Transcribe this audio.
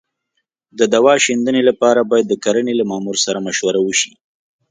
د دوا شیندنې لپاره باید د کرنې له مامور سره مشوره وشي.